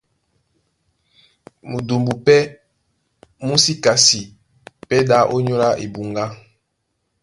Mudumbu pɛ́ mú sí kasi pɛ́ ɗá ónyólá ebuŋgá.